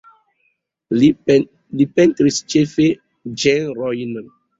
Li pentris ĉefe ĝenrojn.